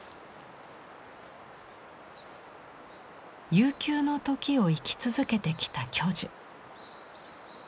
悠久の時を生き続けてきた巨樹。